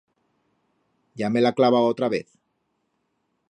Ya me l'ha clavau otra vez.